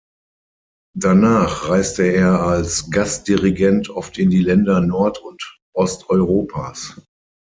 Danach reiste er als Gastdirigent oft in die Länder Nord- und Osteuropas.